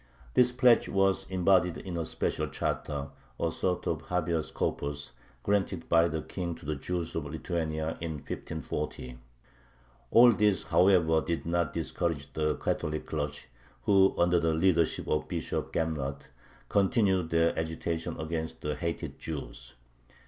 This pledge was embodied in a special charter, a sort of habeas corpus, granted by the King to the Jews of Lithuania in 1540. All this, however, did not discourage the Catholic clergy, who, under the leadership of Bishop Gamrat, continued their agitation against the hated Jews.